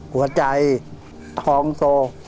หัวใจทองโซ